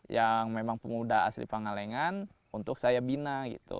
yang memang pemuda asli pangalengan untuk saya bina gitu